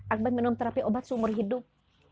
akbar minum terapi obat seumur hidup